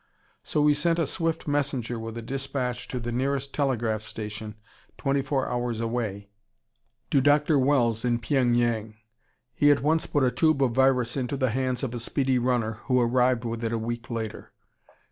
So we sent a swift messenger with a despatch to the nearest telegraph station, twenty four hours away, to Dr. Wells, in Pyeng Yang. He at once put a tube of virus into the hands of a speedy runner, who arrived with it a week later.